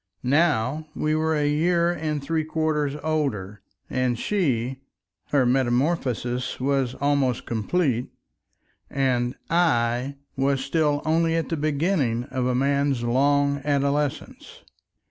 Now we were a year and three quarters older, and she—her metamorphosis was almost complete, and I was still only at the beginning of a man's long adolescence.